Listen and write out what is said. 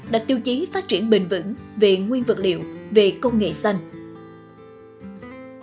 đặt tiêu chí phát triển bình luận về nguyên vật liệu về công nghệ xanh